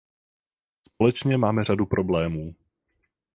Společně máme řadu problémů.